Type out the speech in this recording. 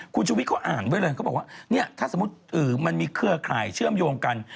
คุณชุวิตเขาอ่านไว้เลยเขาบอกว่าเนี่ยถ้าสมมุติมันมีเครือข่ายเชื่อมโยงกัน